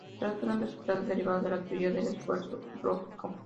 Se trata de un resultado derivado de la teoría del esfuerzo lógico.